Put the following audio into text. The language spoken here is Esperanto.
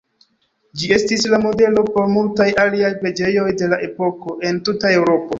Ĝi estis la modelo por multaj aliaj preĝejoj de la epoko en tuta Eŭropo.